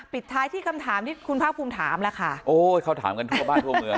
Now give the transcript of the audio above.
ปิดท้ายที่คำถามที่คุณภาคภูมิถามล่ะค่ะโอ้ยเขาถามกันทั่วบ้านทั่วเมือง